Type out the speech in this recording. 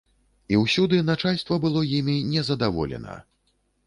І ўсюды начальства было імі нездаволена.